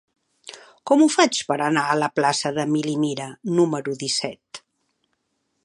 Com ho faig per anar a la plaça d'Emili Mira número disset?